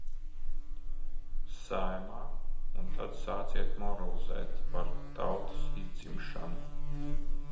Saeimā, un tad sāciet moralizēt par tautas izdzimšanu!